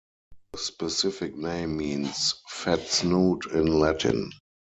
The specific name means "fat snout" in Latin.